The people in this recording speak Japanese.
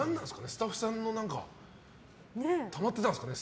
スタッフさんもたまってたんですかね